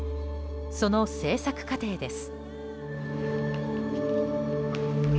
その制作過程です。